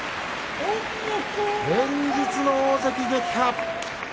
連日の大関撃破。